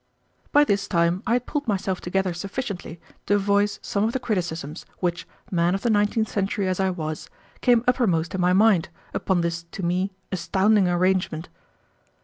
By this time I had pulled myself together sufficiently to voice some of the criticisms which, man of the nineteenth century as I was, came uppermost in my mind, upon this to me astounding arrangement.